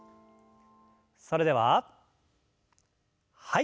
それでははい。